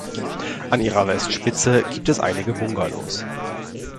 An ihrer Westspitze gibt es einige Bungalows.